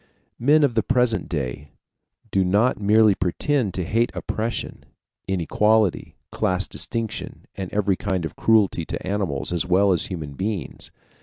Men of the present day do not merely pretend to hate oppression, inequality, class distinction, and every kind of cruelty to animals as well as human beings.